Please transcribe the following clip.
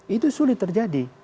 itu sulit terjadi